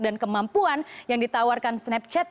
dan kemampuan yang ditawarkan snapchat